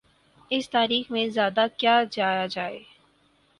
اس تاریخ میں زیادہ کیا جایا جائے۔